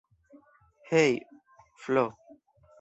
Hej Flo!